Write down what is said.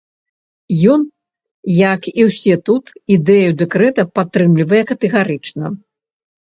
Ён, як і ўсе тут, ідэю дэкрэта падтрымлівае катэгарычна!